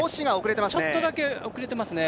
ちょっとだけ遅れていますね。